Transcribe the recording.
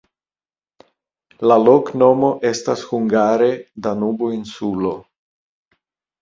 La loknomo estas hungare: Danubo-insulo.